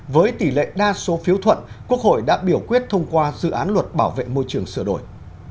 với tỷ lệ đa số phiếu thuận quốc hội đã biểu quyết thông qua dự án luật bảo vệ môi trường sửa đổi